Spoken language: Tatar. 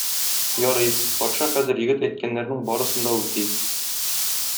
Ярый, патша хәзер егет әйткәннәрнең барысын да үти.